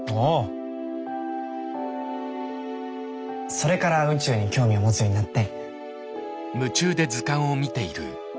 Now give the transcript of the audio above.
それから宇宙に興味を持つようになって。